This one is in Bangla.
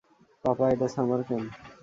পাপা এটা সামার ক্যাম্প।